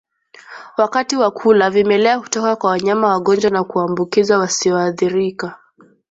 Wakati wa kula vimelea hutoka kwa wanyama wagonjwa na kuwaambukiza wasioathirika